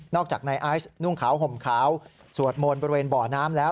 จากนายไอซ์นุ่งขาวห่มขาวสวดมนต์บริเวณบ่อน้ำแล้ว